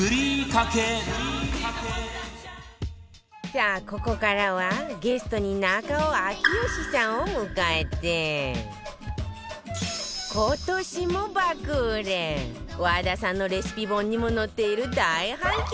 さあここからはゲストに中尾明慶さんを迎えて今年も爆売れ和田さんのレシピ本にも載っている大反響